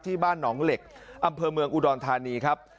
บ้านหนองเหล็กอำเภอเมืองอุดรธานีครับ